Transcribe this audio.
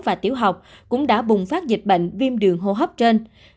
và tiểu học cũng đã bùng phát dịch bệnh viêm đường hô hấp trên